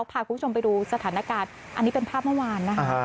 พาคุณผู้ชมไปดูสถานการณ์อันนี้เป็นภาพเมื่อวานนะคะ